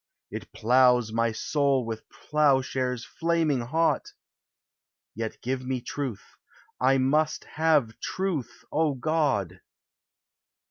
It ploughs my soul with ploughshares flaming hot Yet give me Truth. I must have Truth, O God!